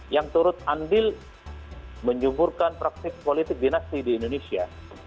yang turut andil menjuburkan praktik politik dinasti di indonesia